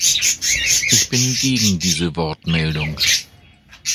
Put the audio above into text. Ich bin gegen diese Wortmeldung.